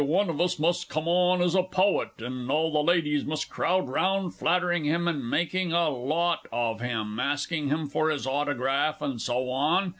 One of us must come on as a Poet, and all the ladies must crowd round flattering him, and making a lot of him, asking him for his autograph, and so on.